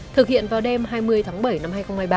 thực hiện vào đêm hai mươi tháng bảy năm hai nghìn hai mươi ba